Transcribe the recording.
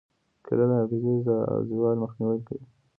کېله د حافظې زوال مخنیوی کوي.